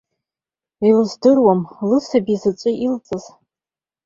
Илыздыруам лысаби заҵә илҵыз.